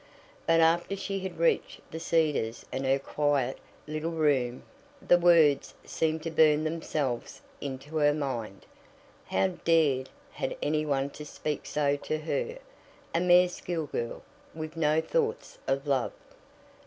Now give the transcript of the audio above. But after she had reached The Cedars and her quiet, little room, the words seemed to burn themselves into her mind. How dared any one to speak so to her a mere schoolgirl, with no thoughts of love?